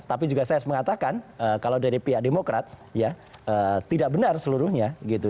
tapi juga saya harus mengatakan kalau dari pihak demokrat ya tidak benar seluruhnya gitu